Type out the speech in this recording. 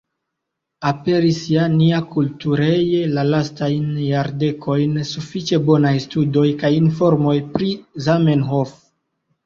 Aperis ja niakultureje la lastajn jardekojn sufiĉe bonaj studoj kaj informoj pri Zamenhof.